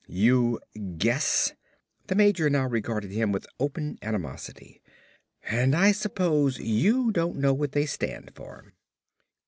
"You guess!" The major now regarded him with open animosity. "And I suppose you don't know what they stand for."